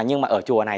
nhưng mà ở chùa này